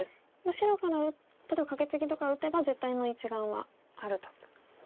白から例えばカケツギとか打てば絶対の１眼はあるということですね。